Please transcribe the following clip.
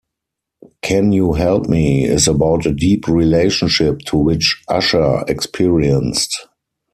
"Can U Help Me", is about a deep relationship to which Usher experienced.